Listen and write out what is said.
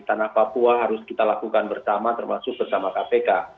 tanah papua harus kita lakukan bersama termasuk bersama kpk